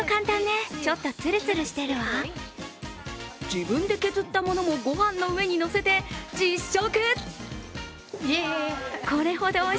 自分で削ったものもごはんの上にのせて、実食！